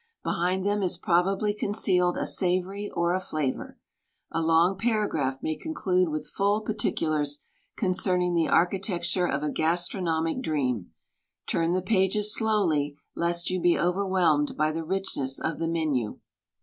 Behind them is probably concealed a savory or a flavor. A long paragraph may conclude with full particulars concerning the achitecture of a gastronomic dream. Turn the pages slowly lest you be overwhelmed by the richness of the menu.